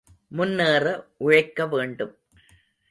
முன்னேற உழைக்க வேண்டும்.